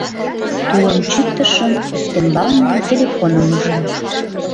Тулым чӱктышым, ӱстембалне телефоным ужым.